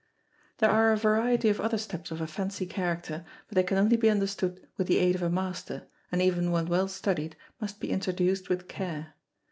There are a variety of other steps of a fancy character, but they can only be understood with the aid of a master, and even when well studied, must be introduced with care.